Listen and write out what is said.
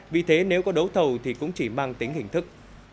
vì thế nếu có đấu thầu thì cũng chỉ mang tính hình thức